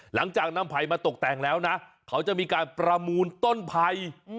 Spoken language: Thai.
หลังจากนำไผ่มาตกแต่งแล้วนะเขาจะมีการประมูลต้นไผ่